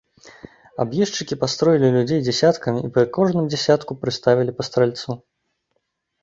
Аб'ездчыкі пастроілі людзей дзясяткамі і пры кожным дзясятку прыставілі па стральцу.